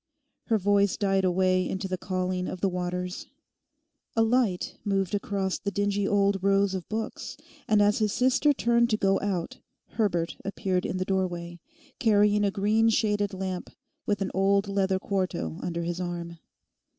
Her voice died away into the calling of the waters. A light moved across the dingy old rows of books and as his sister turned to go out Herbert appeared in the doorway, carrying a green shaded lamp, with an old leather quarto under his arm.